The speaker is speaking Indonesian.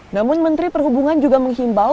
namun menteri perhubungan juga menghimbau